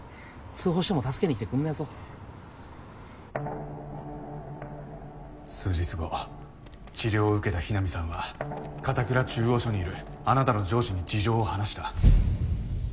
通報しても助けに来てくんねえぞ数日後治療を受けた雛見さんは片倉中央署にいるあなたの上司に事情を話した。